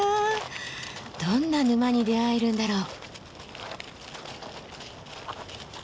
どんな沼に出会えるんだろう。